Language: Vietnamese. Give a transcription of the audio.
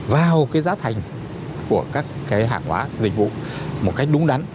vào cái giá thành của các cái hàng hóa dịch vụ một cách đúng đắn